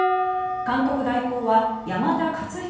監督代行は山田勝彦